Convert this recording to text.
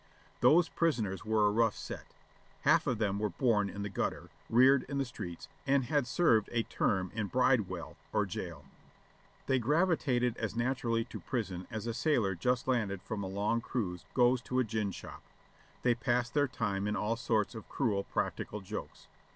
Those prisoners were a rough set ; half of them were born in the gutter, reared in the streets, and had served a term in Bride well or jail. They gravitated as naturally to prison as a sailor just landed from a long cruise goes to a gin shop. They passed their time in all sorts of cruel practical jokes.